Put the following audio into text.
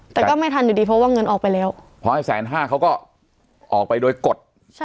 แต่ก็ไม่ทันอยู่ดีเพราะว่าเงินออกไปแล้วพอให้แสนห้าเขาก็ออกไปโดยกฎ